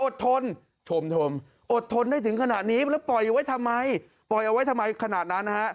ชมทมอดทนได้ถึงขนาดนี้แล้วปล่อยไว้ทำไมปล่อยเอาไว้ทำไมขนาดนั้นนะฮะ